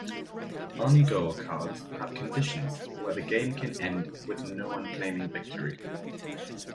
Ungoal cards have conditions where the game can end with no one claiming victory.